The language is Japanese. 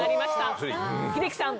英樹さん